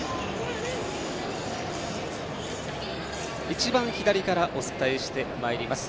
一番左からお伝えしてまいります。